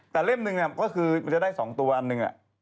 แต่เล่มหนึ่งก็คือมันจะได้๒ตัวอันหนึ่ง